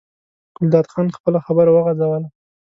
ګلداد خان خپله خبره وغځوله.